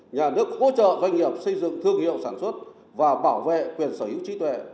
nhà nước hỗ trợ doanh nghiệp xây dựng thương hiệu sản xuất và bảo vệ quyền sở hữu trí tuệ